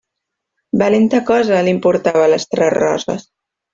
Valenta cosa li importava Les Tres Roses!